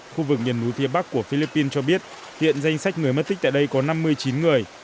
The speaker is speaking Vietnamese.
khu vực miền núi phía bắc của philippines cho biết hiện danh sách người mất tích tại đây có năm mươi chín người